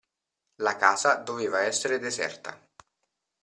La casa doveva essere deserta.